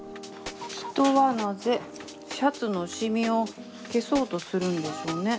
人はなぜシャツのシミを消そうとするんでしょうね。